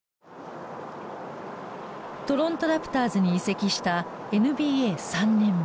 トロント・ラプターズに移籍したＮＢＡ３年目。